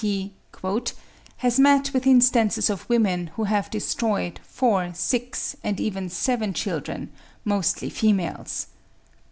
states that he "has met with instances of women who have destroyed four, six, and even seven children, mostly females.